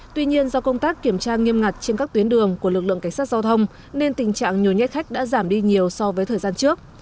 tuy nhiên do công tác kiểm tra nghiêm ngặt trên các tuyến đường của lực lượng cảnh sát giao thông nên tình trạng nhồi nhét khách đã giảm đi nhiều so với thời gian trước